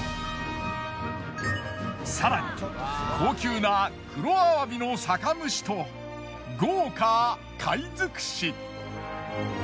更に高級な黒アワビの酒蒸しと豪華貝づくし。